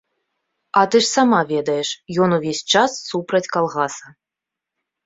А ты ж сама ведаеш, ён увесь час супраць калгаса.